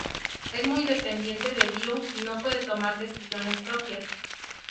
Es muy dependiente de Dio y no puede tomar decisiones propias.